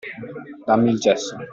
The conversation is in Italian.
Dammi il gesso.